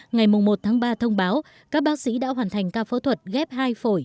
ngày một tháng ba thông báo các bác sĩ đã hoàn thành ca phẫu thuật ghép hai phổi